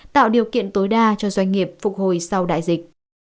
tạo điều kiện tối đa cho doanh nghiệp phục hồi sau đại dịch